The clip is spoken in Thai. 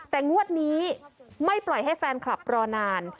แต่งวดนี้ไม่ปล่อยให้แฟนคลับรอนาน